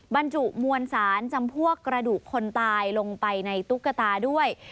บรรจุมวลสารจำพวกกระดูกคนตายลงไปในตุ๊กตาด้วย